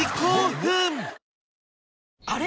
あれ？